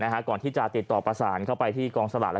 ก่อนที่จะติดต่อประสานเข้าไปที่กองสลาก